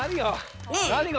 何が！